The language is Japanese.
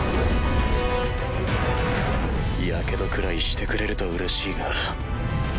やけどくらいしてくれるとうれしいが。